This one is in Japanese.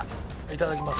いただきます。